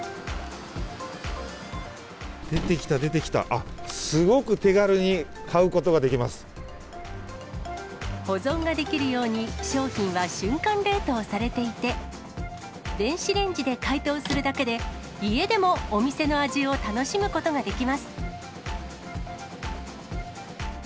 出てきた出てきた、あっ、保存ができるように、商品は瞬間冷凍されていて、電子レンジで解凍するだけで、家でもお店の味を楽しむことができます。